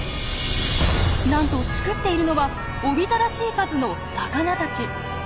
なんと作っているのはおびただしい数の魚たち。